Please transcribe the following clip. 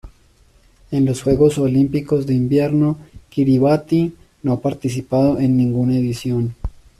En los Juegos Olímpicos de Invierno Kiribati no ha participado en ninguna edición.